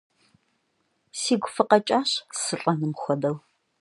Сигу фыкъэкӀащ сылӀэным хуэдэу!